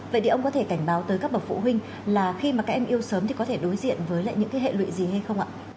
vậy thì ông có thể cảnh báo tới các bậc phụ huynh là khi mà các em yêu sớm thì có thể đối diện với lại những cái hệ lụy gì hay không ạ